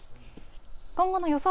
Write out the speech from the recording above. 今後の予想